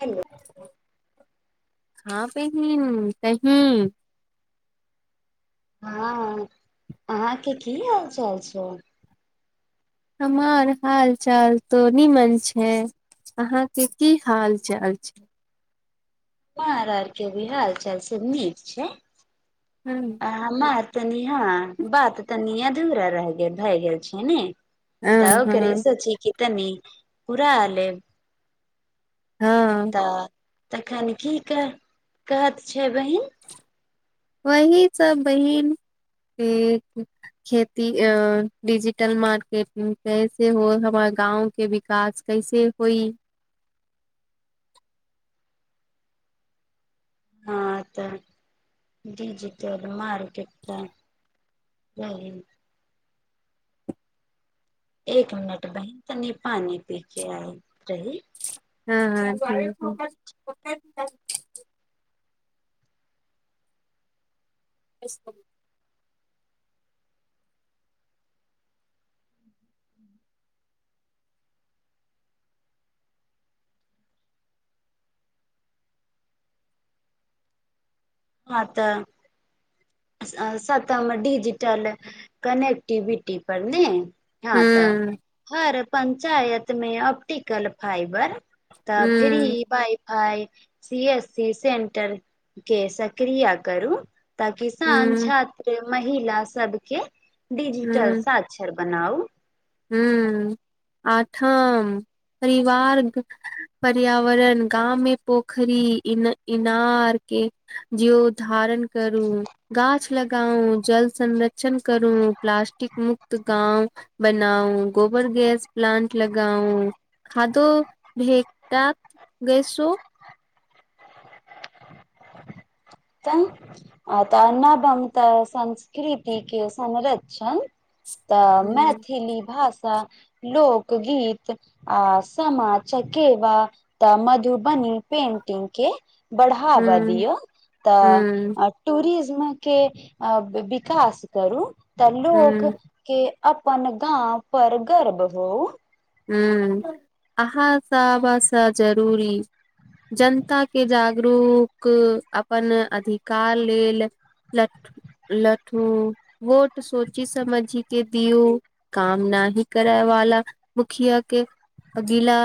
hello हाँ बहिन कही हाँ अहाँके की हाल चाल छै हमर हाल चाल त निमन छै अहाँके की हाल चाल छै हमार आर के बि हाल चाल से नीक छै हँ आ हमार तनि ह बात तनि अधूरा रहि गेल भए गेल छै ने त ओ हँ करेसोच की तनी पूरा लैब हँ तऽ तखन की कह कहत छै बहिन वहि सब बहिन खेती अ डिजिटल मार्केटिंग कैसे हो हमार गाँव के विकास कैसे होई हाँ तऽ डिजिटल मारकेट त रहै एक मिनट बहिन तनी पानी पी के आय रही हाँ [unintelligible] [unintelligible] हाँ तऽ सतम डजिटल कनेक्टिविटी पर ने हँ तऽ हूँ हर पञ्चायत मे ऑप्टिकल फाईबर तऽ free wifi C S C centre के सक क्रिया करू ताकि स हूँ हूँ छात्र महिला सबके डीजिटल हूँ साक्षर बनाउ हूँ आठम परिवार पर्यावरण गाँव मे पोखरि इ ईनार के जीव धारण करू गाछ लगाउ जल संरक्षण करू प्लास्टिक मुक्त गाँव बनाउ गोबर गैस प्लांट लगाउ खादो भेटत गैसो तऽ आ तऽ अ नबम तऽ संस्कृतिके संरक्षण तऽ हूं मैथिली भाषा लोक गीत आ समा चकेवा तऽ मधुबनी पेटिंग के बढाबा हूं दियौ त हूं टूरिज्म के विकास करू तऽ लोक के अपन गाँव पर गर्व हो हाँ अहाँ सबस से जरूरी जनताके जागरूक अपन अधिकार लेल लठ लठू वोट सोची समझि के दियू काम न आनी करैवाला मुखिया के अगिला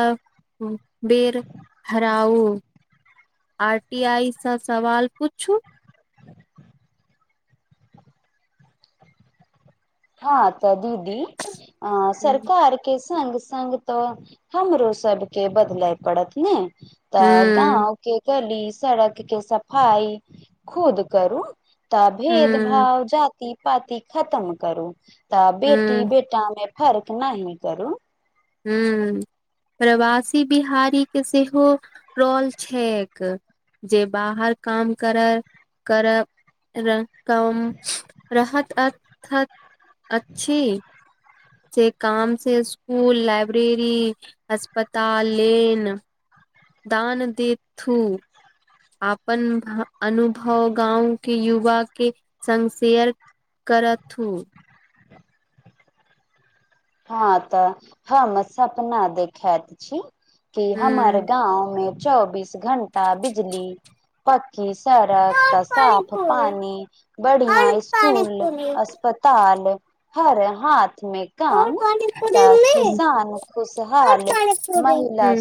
बेर हराउ आर टी आई सँ सवाल पुछू हाँ तऽ दीदी आ हूँ सरकारके संग संग तऽ हमरो सबके बदलय पड़त ने तऽ हूँ गाँव के गली सड़क के सफाई खुद करू तऽ भेद हूँ भाव जा जाति पाति खतम करू तऽ बेटी बेटा मे फर्क नहि करू हूँ प्रवासी बिहारीके सेहो रोल छैक जे बाहर काम करय करय करय कम रहत अ अथक अछि से काम से स्कूल लाइब्रेरी अस्पताल लेन दान देथू अपन अनुभव गाँव के युवा के संग शेयर करथु हं तऽ हम सपना देखाइत छी कि हमर हूँ गाँव मे चौबीस घंटा बिजली पक्कीस सड़क तऽ पानी साफ पूरी पानी बढ़ियां और पानी स्कूल पूरी अस्पताल हर हाथ मे और काम पानी पूरी तऽ में किसान और खुशहाल पानी पूरी महिला हूँ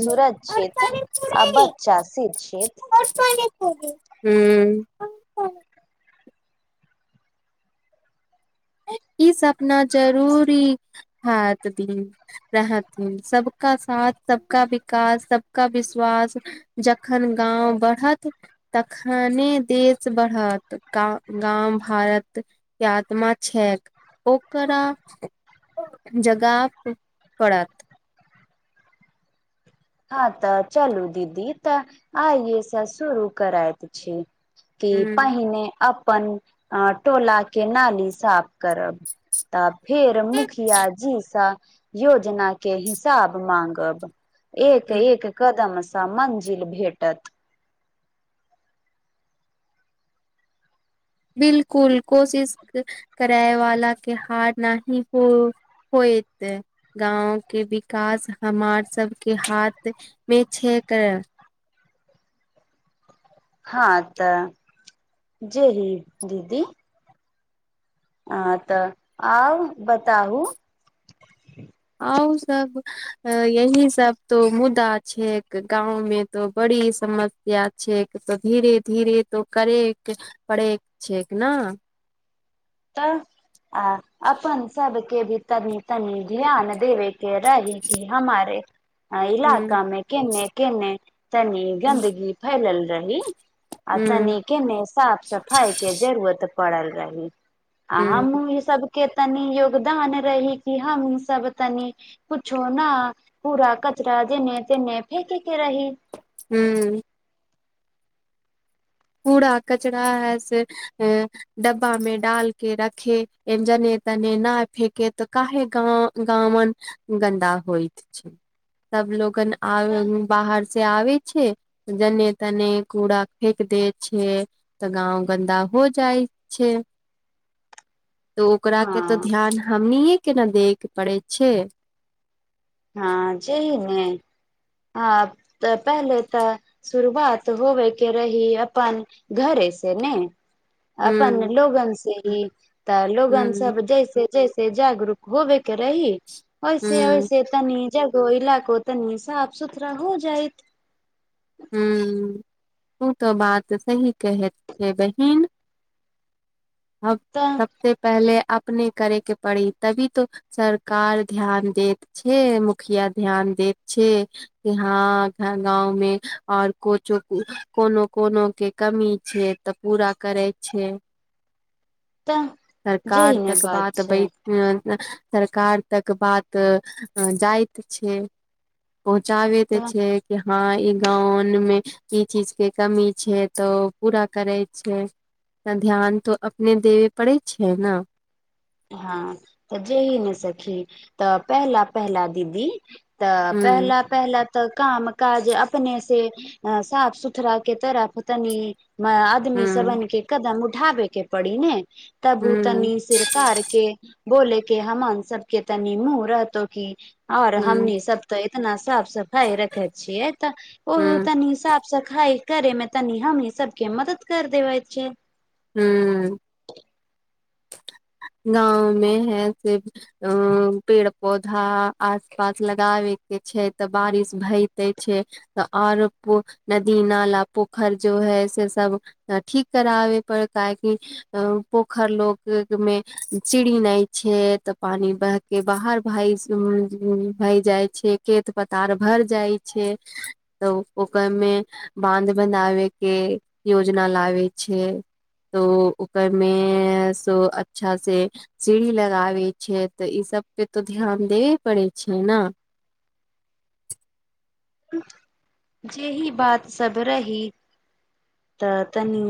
और सुरक्षित पानी अब पूरी अच्छा से छैथ ह्म [unintelligible] ई सपना जरूरी हएत दिन रहथिन सबका साथ सबका विकास सबका विश्वास जखन गाँव बढ़त तखन ने देश बढ़त गाउँ गाउँ भारत के आत्मा छैक ओकरा जगाब पड़त हँ तऽ चलू दीदी तऽ आइए से शुरू करयत छी कि ह पहिने अपन टोला के नाली साफ करब तऽ फेर मुखिया जीसँ योजना के हिसाब माँगब एक एक कदम सा मंजिल भेटत बिलकुल कोशिश करय वला के हार नहि हो होइत गाँव के विकास हमार सबके हाथ मे छै करय हँ तऽ जे ही दीदी हँ तऽ आउ बताहु अ सब यही सब तो मुदा छैक गाँंव मे तो बड़ी सम समस्या छैक तऽ धीरे धीरे तो करय पड़ैत छैक न तऽ आ अपन सबके भी तनी तनी ध्यान देबे के रहय के हमारे इलाका ह मे केने केने तनी गन्दगी फैलल रही आ ह तनिके ने साफ सफाई के जरूरत पड़ल रही आ ह हमहुँ ई सब के तनी योगदान रही क हम सब तनी कुछो न पूरा कर राजे ने ते ने फेेक के रहि ह कूड़ा कचरा है से डब्बा में डालके रखे जने तनि नहि फेके तऽ काहे गाउँ गन्दा होइत छै सब लोगन आ बाहर से आबे छै जने तने कूड़ा फेेक दे छै तऽ गाँव गन्दा हो जाइ छै तऽ ओकराके तऽ हँ ध्यान हमनिए के ने दैके पड़ै छै हँ जे ने ह तऽ पहले तऽ शुरुआत होबे के रही अपन घरे से ने हूँ अपन लोगन से ही तऽ लोगन हूँ सब जैसे जैसे जगरूक होब रहि ओइसे हूँ ओइसे तनी जगह इलाको तनी साफ सुथरा हो जायइत ह ओ तऽ बात सही कहैत छै बहिन [inaudible] अब तऽ सबसे पहले आप अपने करय केँ पड़ी तभी तो सरकार ध्यान देैत छैक मुखिया ध्यान दैत देख छै कि हँ गाँवमे आओर कोनो कोनो केँ कमी छै त पूरा करैत छै [inaudible] तऽ सरकार जेहि ने तक बात छै सरकार तक बात जाइत छैक पहुँचाबे केँ तऽ छैक कि हँ लोन मे ई चीज केँ कमी छै तऽ पूरा करैत छै त ध्यान त अपने देबय पड़ैत छै ने हँ तऽ जेहि ने सखी तऽ पहला पहला दीदी तऽ ह पहला पहला तऽ काम काज अपने से साफ सुथरा कें तरफ तनी आदमी सब हूँ केँ कदम उठाबे केँ पड़ी ने तब ओ हूँ तनी सिर केँ बोले केँ हान सबकेँ तनी मुँह रहतो की और हूँ हमनी सब त ना साफ सफाई रखे छियै तऽ ओह हूँ तनी साफ सफाइ करे मे तनि हमनी सबके मदद कर देबै छै हुँ [inaudible] गाँवमे है से पेड़ पौधा आस पास लगाबे छै तऽ बारिश भइते छै त आरो नदी नाला पोखरि जो है से सब ठीक कराबे पर काहेकि पोखर लोग मे सीड़ी नहि छै तऽ पानी ब के बाहर भ भई हुँ जाइ छै खेत पथार भर जाइ छै तऽ ओकरमे बांध बनाबय केँ योजना लाबैत छै तो ओकरमे अच्छा से सीढ़ी लगाबै छै तऽ ई सब पे तो ध्यान देबे पड़ै छै ने [inaudible] जेही बात सभ रही तऽ तनी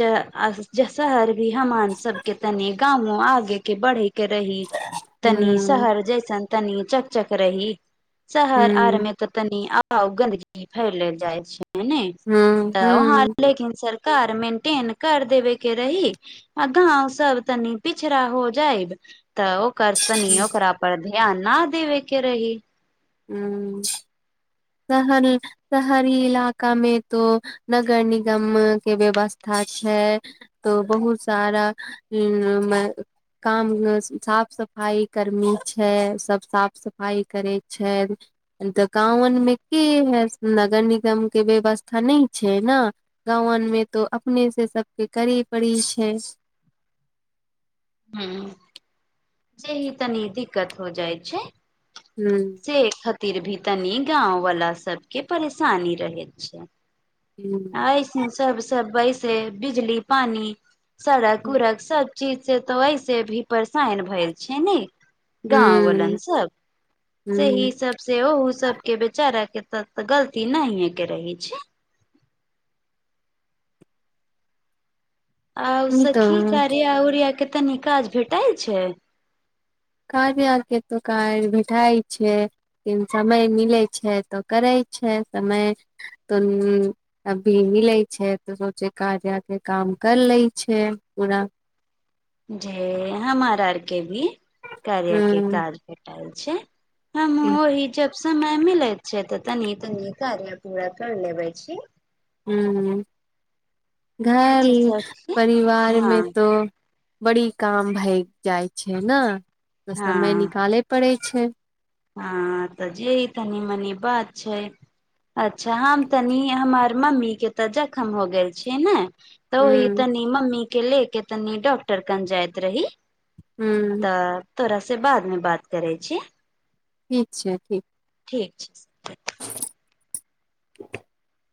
ज अ शहर भी हमान सबके तनि गामो आगेके बढ़ै केँ रही तनी हूँ शहर जैसन तनी चक चक रही शहर आर हूँ मे तऽ तनी आ गंदगी फैल लेल जाइत छै हने हूँ तऽ अहां हूँ आरकें कार मेंटेन कर देवे के रही आ गांव सब तनी पिछड़ा हो जायब तऽ ओ करसनी ओ कररा परर ध्यान न देवे के रही हुँ शहर शहरी इलाका मे तो नगर निगम के व्यवस्था छै तऽ बहुत सारा मे काम साफ सफाइ कर्मी छै सभ साफ सफाइ करैत छै अ त गांवन मे हे नगर निगम के व्यवस्था नहि छै ने गाँवमे तो अपने से सबके करै परैय छै [inaudible] हुँ जेही तनी दिक्कत हो जाइ छै ह से खातिर भी तनी गाँंववाला सबकें परेशानी रहैत छै ह ऐसन सब सब सय पैसे बिजली पानि सड़क उड़क सब चीज से तऽ ऐसे भी परेशान भेल छै ने गाँव ह वालन सब सेही ह सब से ओह सबके बेचार कर के त गलती नहि हे के रहै छै आउ ई सखी तऽ करिया उरिया के तनी काज भेटैय छै कार्या आर के तो कार बैठई छै समय मिलै छै तऽ करे समय त मिलैय छै त कार्या के काज काम काम कर लै छै पूरा [inaudible] जे हमार आरके भी ह कार्या के काज भेटय छै हम ओहि जब समय मिलत छै तऽ तनि तनी कार्य पूरा कर लेबै छै हुँ घर अच्छा सखी परिवारमे हँ तो बड़ी काम भैय जाइ छै ने तऽ समय हँ निकालय पड़ै छै हँ तऽ जे ई तनी मनी बात छै अच्छा हम तनी हमर मम्मी के तऽ जख्म हो गेल छै ने तऽ ह ओहि तनी मम्मी के ले के तनी डॉक्टर कन जाइत रही हूँ तऽ तोरा से बाद मे बात करै छी ठीक छै ठीक ठीक छै [inaudible]